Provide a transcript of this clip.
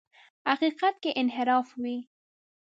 حقیقت کې انحراف وي.